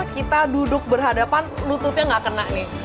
kita duduk berhadapan lututnya nggak kena nih